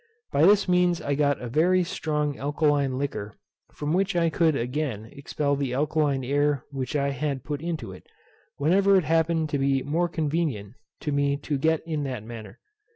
By this means I got a very strong alkaline liquor, from which I could again expel the alkaline air which I had put into it, whenever it happened to be more convenient to me to get it in that manner.